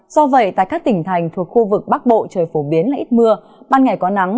do vậy tại các tỉnh thành thuộc khu vực bắc bộ trời phổ biến là ít mưa ban ngày có nắng